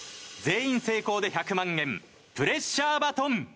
全員成功で１００万円プレッシャーバトン。